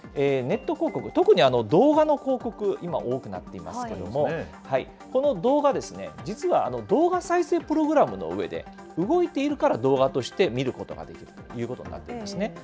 ネット広告、特に動画の広告、今、多くなっていますけれども、この動画、実は、動画再生プログラムの上で動いているから動画として見ることができるということになっていますね。